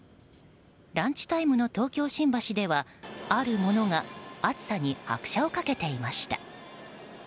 ランチタイムの東京・新橋ではあるものが暑さに拍車を掛けていました。